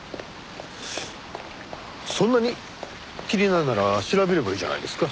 そんなに気になるなら調べればいいじゃないですか。